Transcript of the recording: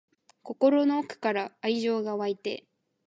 心の奥から愛情が湧いて